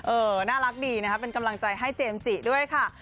น่ารักดีนะคะเป็นกำลังใจให้เจมส์จิด้วยค่ะ